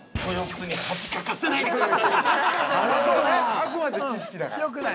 ◆あくまで知識だから。